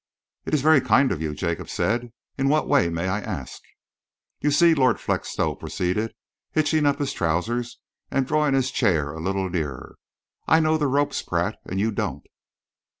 "It is very kind of you," Jacob said. "In what way, may I ask?" "You see," Lord Felixstowe proceeded, hitching up his trousers and drawing his chair a little nearer, "I know the ropes, Pratt, and you don't.